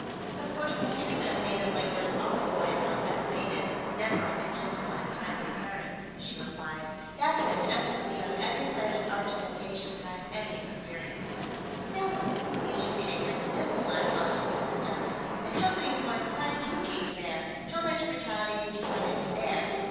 "Of course, mistreatment of native labor is always blamed on other natives, never on the gentle and kindly Terrans," she replied. "That's been SOP on every planet our Association's had any experience with." "Now look; you just came here from Niflheim," von Schlichten objected. "The Company employs quite a few geeks there; how much brutality did you run into there?"